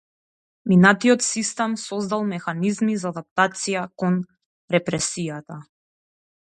Минатиот систем создал механизми за адаптација кон репресијата.